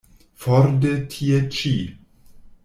For de tie ĉi!